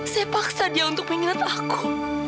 saya paksa dia untuk mengingat aku